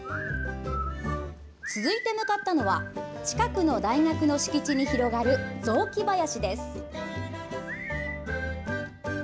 続いて向かったのは近くの大学の敷地に広がる雑木林。